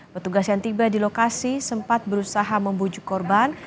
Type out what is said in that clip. petugas yang tiba di lokasi sempat berusaha membujuk korban